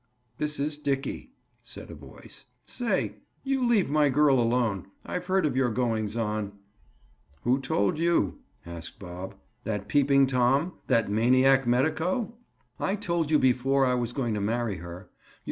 "This is Dickie," said a voice. "Say! you leave my girl alone. I've heard of your goings on." "Who told you?" asked Bob. "That Peeping Tom? That maniac medico?" "I told you before I was going to marry her.